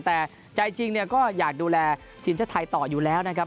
แต่ใจจริงเนี่ยก็อยากดูแลทีมชาติไทยต่ออยู่แล้วนะครับ